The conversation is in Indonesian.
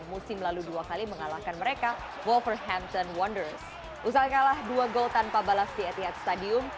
usah kalah dua gol tanpa balas di etihad stadium